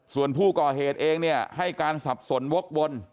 ส่วนผู้ก่อเหตุเองเนี่ยให้การสับสนวกวน